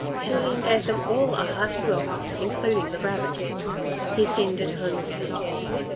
Julien gave them all a hearty welcome, including the rabbit. He seemed at home again.